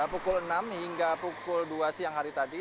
pukul enam hingga pukul dua siang hari tadi